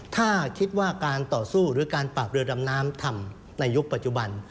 ถ้าคิดว่าการต่อสู้หรือการปราบเรือดำน้ำทำในยุคปัจจุบัน